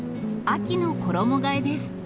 秋の衣がえです。